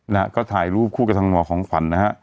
นะฮะก็ถ่ายรูปคู่กับทางหมอของขวัญนะฮะ